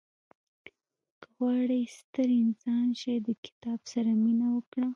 • که غواړې ستر انسان شې، د کتاب سره مینه وکړه.